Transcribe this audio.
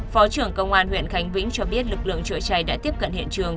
phó trưởng công an huyện khánh vĩnh cho biết lực lượng chữa cháy đã tiếp cận hiện trường